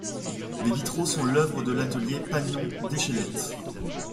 Les vitraux sont l'œuvre de l'atelier Pagnon-Deschelettes.